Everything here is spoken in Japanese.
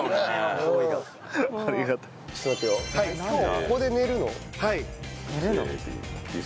ここに寝るの。